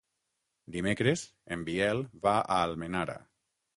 Dimecres en Biel va a Almenara.